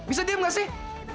bisa diem gak sih